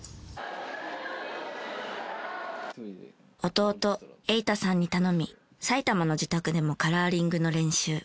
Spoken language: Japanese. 弟瑛太さんに頼み埼玉の自宅でもカラーリングの練習。